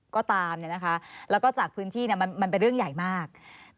ก็ตามแล้วก็จากพื้นที่มันเป็นเรื่องใหญ่มาก